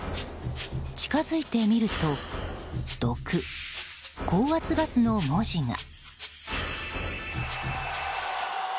近づいてみると「毒」「高圧ガス」の文字が。